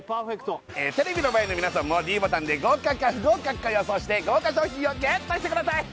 テレビの前の皆さんもｄボタンで合格か不合格か予想して豪華賞品をＧＥＴしてください